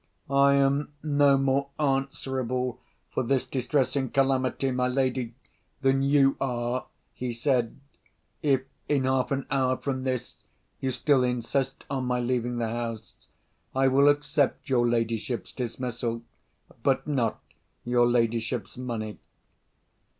"I am no more answerable for this distressing calamity, my lady, than you are," he said. "If, in half an hour from this, you still insist on my leaving the house, I will accept your ladyship's dismissal, but not your ladyship's money."